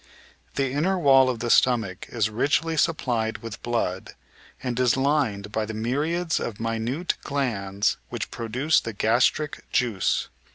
The inner wall of the stomach is richly supplied with blood, and is lined by the myriads of minute glands which produce the "gastric juice."